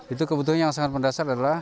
itu kebetulan yang sangat mendasar adalah